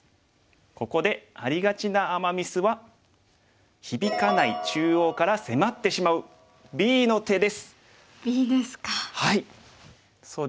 ここでありがちなアマ・ミスは響かない中央から迫ってしまうＢの手です。